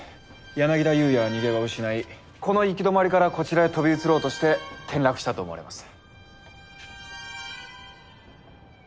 柳田裕也は逃げ場を失いこの行き止まりからこちらへ飛び移ろうとして転落したと思われます。